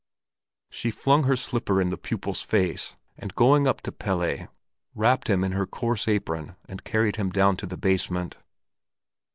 She flung her slipper in the pupil's face, and going up to Pelle, wrapped him in her coarse apron and carried him down to the basement.